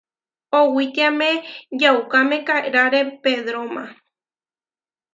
Owítiame yaukámeka eráre Pedróma.